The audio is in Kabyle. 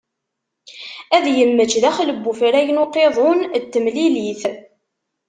Ad immečč daxel n ufrag n uqiḍun n temlilit.